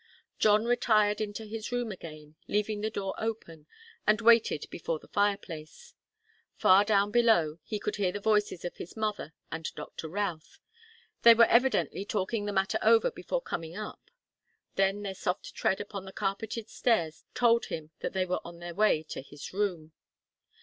John retired into his room again, leaving the door open, and waited before the fireplace. Far down below he could hear the voices of his mother and Doctor Routh. They were evidently talking the matter over before coming up. Then their soft tread upon the carpeted stairs told him that they were on their way to his room.